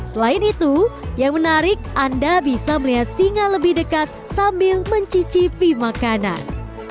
selain itu yang menarik anda bisa melihat singa lebih dekat sambil mencicipi makanan